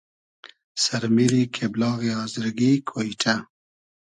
سئر میری کېبلاغی آزرگی کۉیݖۂ